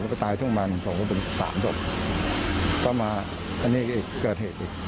แล้วก็ตายทั่วมาหนึ่งศพก็เป็นสามศพก็มาอันนี้อีกอีกเกิดเหตุอีก